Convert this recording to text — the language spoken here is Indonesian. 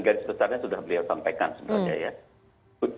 gantinya sudah beliau sampaikan sebenarnya ya